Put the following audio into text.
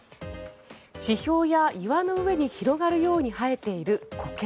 地表や岩の上に広がるように生えているコケ。